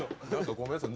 ごめんなさい。